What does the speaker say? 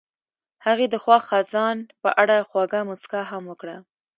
هغې د خوښ خزان په اړه خوږه موسکا هم وکړه.